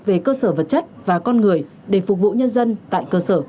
về cơ sở vật chất và con người để phục vụ nhân dân tại cơ sở